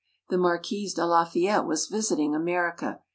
The Marquis de Lafayette was visiting America.